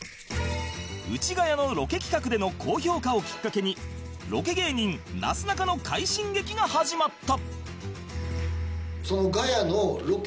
『ウチガヤ』のロケ企画での高評価をきっかけにロケ芸人なすなかの快進撃が始まった！